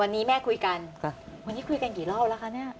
วันนี้แม่คุยกันวันนี้คุยกันกี่รอบแล้วคะเนี่ย